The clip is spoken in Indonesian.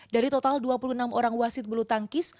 dari total dua puluh enam orang wasit bulu tangkis